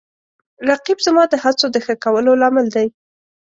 رقیب زما د هڅو د ښه کولو لامل دی